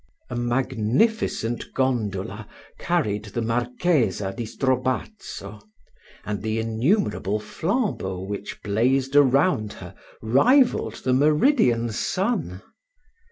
A magnificent gondola carried the Marchesa di Strobazzo; and the innumerable flambeaux which blazed around her rivalled the meridian sun.